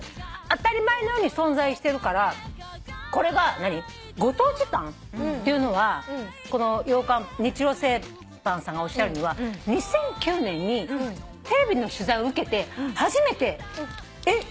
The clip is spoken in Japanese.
当たり前のように存在してるからこれがご当地パン？っていうのはこの日糧製パンさんがおっしゃるには２００９年にテレビの取材を受けて初めてえっ？